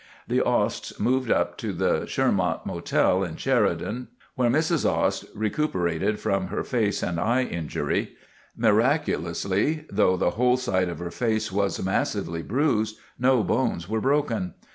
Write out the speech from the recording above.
The Osts moved up to the Shermont Motel in Sheridan, where Mrs. Ost recuperated from her face and eye injury. Miraculously, though the whole side of her face was massively bruised, no bones were broken.